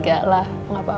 kayaknya singgah lah